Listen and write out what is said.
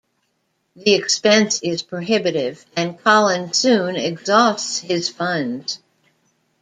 The expense is prohibitive and Colin soon exhausts his funds.